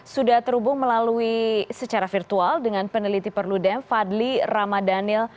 sudah terhubung melalui secara virtual dengan peneliti perludem fadli ramadhanil